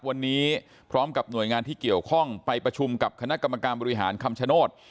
วันนี้พร้อมกับหน่วยงานที่เกี่ยวข้องไปประชุมกับคณะกรรมการบริหารคำชโนธ